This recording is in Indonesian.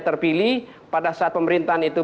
terpilih pada saat pemerintahan itu